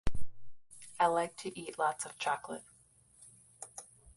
I like to eat lots of chocolate.